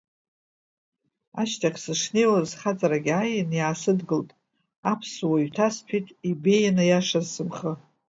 Ашьҭахь, сышнеиуаз, схаҵарагь ааин, иаасыдгылт, аԥсуа-ҩы ҭасҭәеит, ибеиан, аиашаз, сымхы.